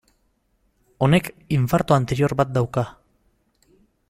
Honek infarto anterior bat dauka.